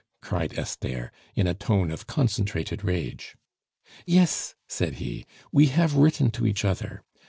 cried Esther, in a tone of concentrated rage. "Yes," said he, "we have written to each other.